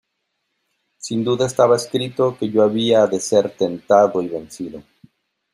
sin duda estaba escrito que yo había de ser tentado y vencido.